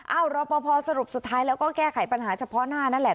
รอปภสรุปสุดท้ายแล้วก็แก้ไขปัญหาเฉพาะหน้านั่นแหละ